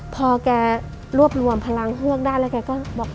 พอแกรวบรวมพลังเฮือกได้แล้วแกก็บอก